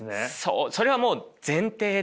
それはもう前提で。